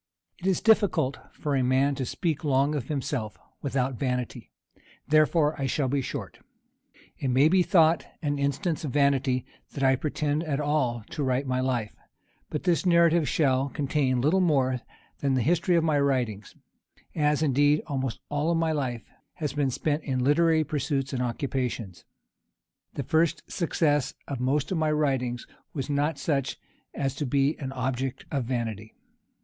It is difficult for a man to speak long of himself without vanity; therefore I shall be short. It may be thought an instance of vanity that I pretend at all to write my life; but this narrative shall contain little more than the history of my writings; as, indeed, almost all my life has been spent in literary pursuits and occupations. The first success of most of my writings was not such as to be an object of vanity.